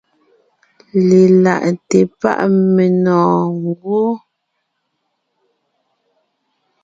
Lelaʼte páʼ menɔ̀ɔn gwɔ́.